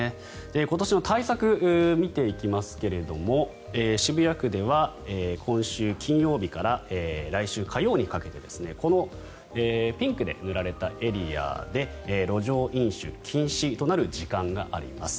今年の対策を見ていきますが渋谷区では今週金曜日から来週火曜にかけてこのピンクで塗られたエリアで路上飲酒禁止となる時間があります。